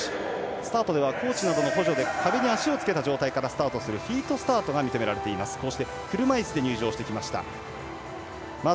スタートではコーチなどの補助で壁に足をつけた状態でスタートすることが認められています。